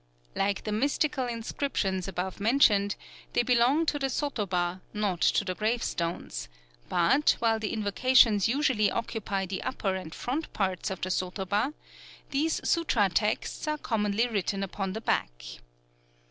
Like the mystical inscriptions above mentioned, they belong to the sotoba, not to the gravestones; but, while the invocations usually occupy the upper and front part of the sotoba, these sutra texts are commonly written upon the back.